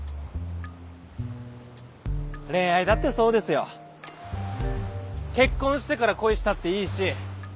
恋愛だってそうですよ。結婚してから恋したっていいし。